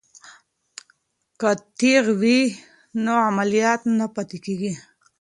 که تیغ وي نو عملیات نه پاتې کیږي.